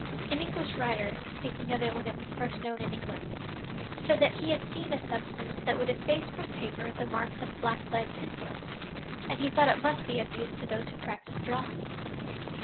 An English writer, speaking of it when it was first known in England, said that he had seen a substance that would efface from paper the marks of a black lead pencil, and he thought it must be of use to those who practiced drawing."